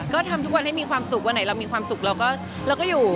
ก็ทำทุกวันให้มีความสุขวันไหนเรามีความสุขเราก็อยู่